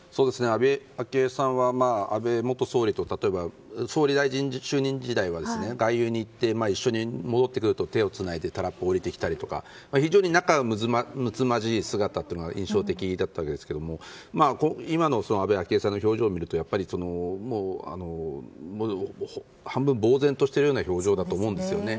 安倍昭恵さんは安倍元総理と例えば総理大臣就任時代は外遊に行って一緒に戻ってくると手をつないでタラップを降りてきたりとか非常に仲むつまじい姿が印象的だったわけですが今の安倍昭恵さんの表情を見ると半分、ぼうぜんとしているような表情だと思うんですよね。